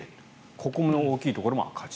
ここの大きいところも赤字。